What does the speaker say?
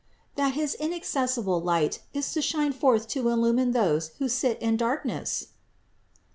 That his inacces sible light is to shine forth to illumine those who sit in darkness?